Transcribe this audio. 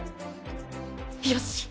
よし！